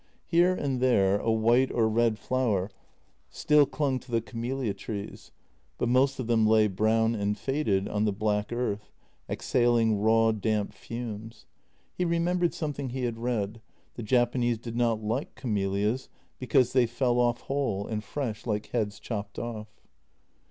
Here and there a white or red flower still clung to the camelia trees, but most of them lay brown and faded on the black earth, exhaling raw, damp fumes. He re membered something he had read: the Japanese did not like camelias because they fell off whole and fresh like heads chopped off.